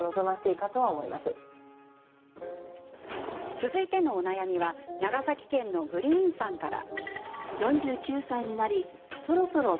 続いてのお悩みは長崎県のグリーンさんから。